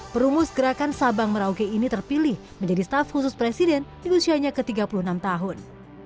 perumus gerakan sabang merauke ini terpilih menjadi staff khusus presiden di usianya ke tiga puluh enam tahun